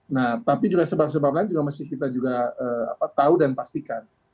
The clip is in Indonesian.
nah tapi juga sebab sebab lain juga mesti kita juga tahu dan pastikan